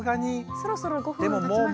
そろそろ５分たちましたか。